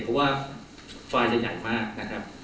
เพราะว่าไฟล์จะใหญ่มากนะครับ